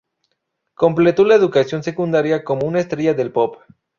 Completó la educación secundaria como una estrella del pop.